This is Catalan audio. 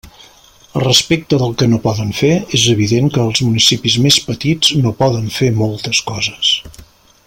Respecte del que no poden fer, és evident que els municipis més petits no poden fer moltes coses.